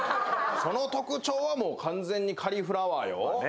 その特徴は、もう完全にカリフラワーよ。